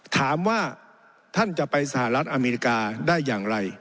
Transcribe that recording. ถามว่าท่านจะไปสหรัฐอเมริกาได้อย่างไร